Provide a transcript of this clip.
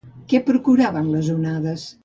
Què procuraven les onades?